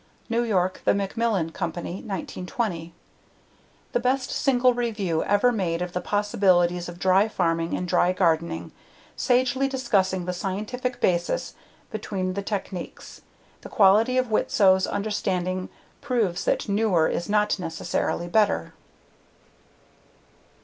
_ New York: The Macmillan Company, 1920. The best single review ever made of the possibilities of dry farming and dry gardening, sagely discussing the scientific basis behind the techniques. The quality of Widtsoe's understanding proves that newer is not necessarily better.